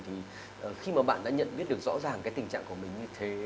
thì khi mà bạn đã nhận biết được rõ ràng cái tình trạng của mình như thế